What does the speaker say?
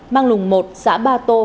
mang lùng một xã ba tô